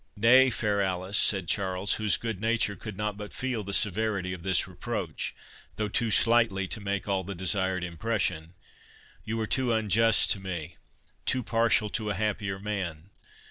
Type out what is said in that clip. "Nay, fair Alice," said Charles, whose good nature could not but feel the severity of this reproach, though too slightly to make all the desired impression, "You are too unjust to me—too partial to a happier man.